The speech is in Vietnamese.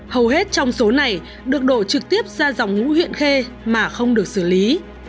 hầu hết trong số này được đổ trực tiếp ra dòng ngũ huyện khê mà không được xử lý